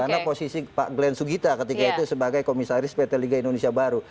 karena posisi pak glenn sugita ketika itu sebagai komisaris pt liga indonesia baru